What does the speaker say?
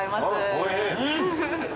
おいしい。